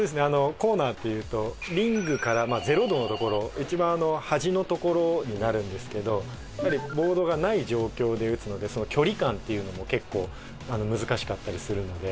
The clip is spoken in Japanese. コーナーっていうとリングからまあ０度の所一番端の所になるんですけどやはりボードがない状況で打つのでその距離感っていうのも結構難しかったりするので。